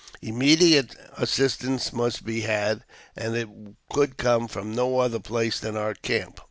Immediate assistance must be had, and it could come from no other place than our camp.